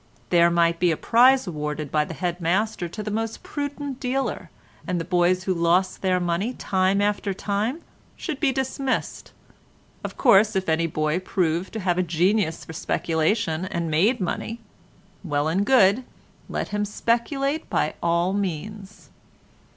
There might be a prize awarded by the head master to the most prudent dealer, and the boys who lost their money time after time should be dismissed. Of course if any boy proved to have a genius for speculation and made money—well and good, let him speculate by all means.